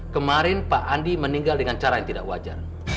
kemarin pak andi meninggal dengan cara yang tidak wajar